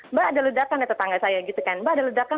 mbak ada ledakan di tetangga saya gitu kan mbak ada ledakan